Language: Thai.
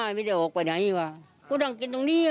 ไม่ได้ออกไปไหนว่ะกูนั่งกินตรงนี้